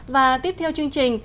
và tiếp theo chương trình